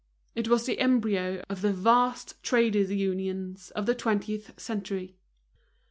It was the embryo of the vast trades' unions of the twentieth century.